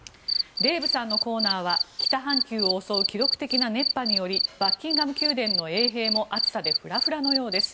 デーブさんのコーナーは北半球を襲う記録的な熱波によりバッキンガム宮殿の衛兵も暑さでフラフラのようです。